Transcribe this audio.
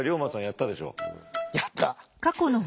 やった。